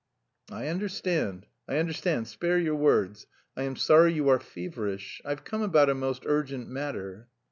"I understand, I understand, spare your words. I am sorry you are feverish. I've come about a most urgent matter."